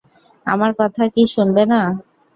আমার কথা কি শুনবে না?